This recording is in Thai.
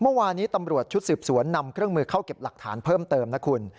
เมื่อวานี้ตำรวจชุดสืบสวนนำเครื่องมือเข้าเก็บหลักฐานเพิ่มเติมนะคุณ